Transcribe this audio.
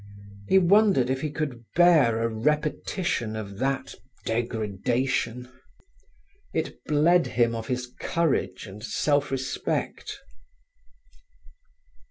He wondered if he could bear a repetition of that degradation. It bled him of his courage and self respect.